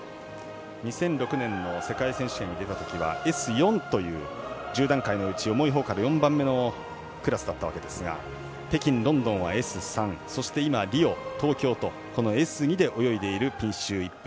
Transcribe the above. ２００６年の世界選手権に出たときはＳ４という１０段階のうち重いほうから４番目のクラスだったわけですが北京、ロンドンはＳ３そして今はリオ、東京都Ｓ２で泳いでいるピンシュー・イップ。